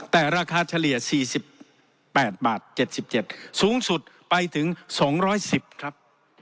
แต่ราคาเฉลี่ยสี่สิบแปดบาทเจ็ดสิบเจ็ดสูงสุดไปถึงสองร้อยสิบครับ